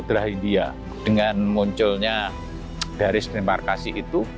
kemudra india dengan munculnya garis demarkasi itu